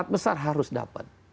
empat besar harus dapat